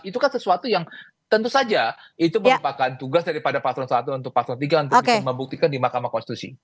itu kan sesuatu yang tentu saja itu merupakan tugas daripada pasal satu untuk pasal tiga untuk membuktikan di mahkamah konstitusi